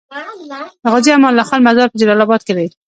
د غازي امان الله خان مزار په جلال اباد کی دی